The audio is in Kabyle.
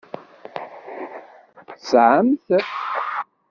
Tesɛam-t?